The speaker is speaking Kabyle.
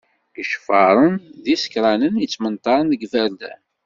Iceffaren d yisekranen yettmenṭaren deg yiberdan.